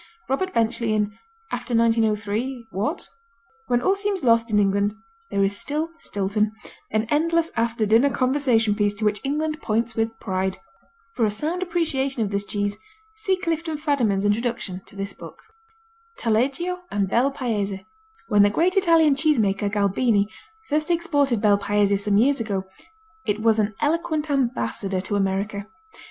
Robert Benchley, in After 1903 What? When all seems lost in England there is still Stilton, an endless after dinner conversation piece to which England points with pride. For a sound appreciation of this cheese see Clifton Fadiman's introduction to this book. Taleggio and Bel Paese When the great Italian cheese maker, Galbini, first exported Bel Paese some years ago, it was an eloquent ambassador to America.